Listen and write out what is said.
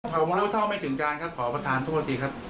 ผมรู้เท่าไม่ถึงการครับขอประธานโทษทีครับ